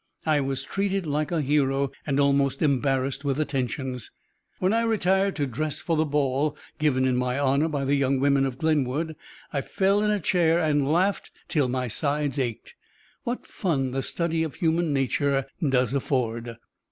I was treated like a hero, and almost embarrassed with attentions. When I retired to dress for the ball given in my honor by the young women of Glenwood, I fell in a chair and laughed till my sides ached. What fun the study of human nature does afford!